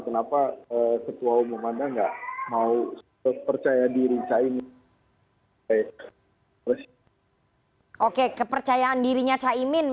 kenapa ketua umum anda enggak mau percaya diri caimin